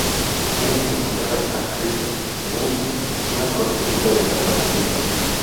Tiene que encontrar a Crystal Ling, una prostituta desaparecida.